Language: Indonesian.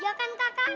ya kan kakak